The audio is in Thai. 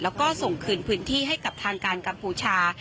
แล้วก็ส่งคืนพื้นที่ให้กับทางการกัมพูชา